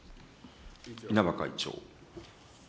稲葉会長。